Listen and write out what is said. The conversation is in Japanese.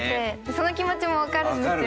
その気持ちもわかるんですよ。